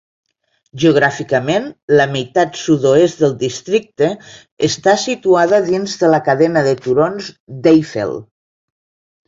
Geogràficament, la meitat sud-oest del districte està situada dins de la cadena de turons d'Eifel.